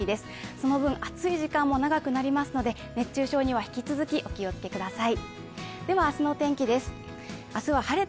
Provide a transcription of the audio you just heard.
その分、暑い時間も長くなりますので、熱中症には引き続き、お気をつけください。